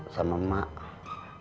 kemarin gue minta maaf sama emak